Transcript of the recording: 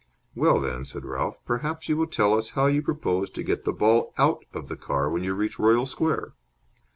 "Well, then," said Ralph, "perhaps you will tell us how you propose to get the ball out of the car when you reach Royal Square?"